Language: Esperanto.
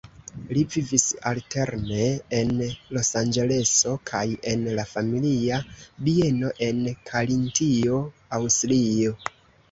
Li vivis alterne en Losanĝeleso kaj en la familia bieno en Karintio, Aŭstrio.